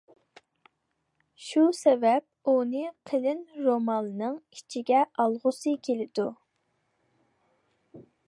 شۇ سەۋەب ئۇنى قېلىن رومالنىڭ ئىچىگە ئالغۇسى كېلىدۇ.